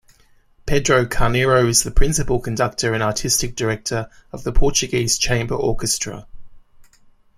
Pedro Carneiro is the principal conductor and artistic director of the Portuguese Chamber Orchestra.